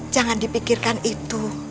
jangan dipikirkan itu